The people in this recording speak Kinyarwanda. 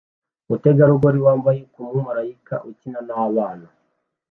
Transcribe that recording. Umutegarugori wambaye nkumumarayika ukina nabana